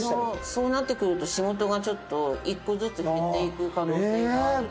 そうなってくると仕事がちょっと１個ずつ減っていく可能性があるので。